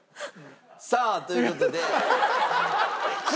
さあという事で。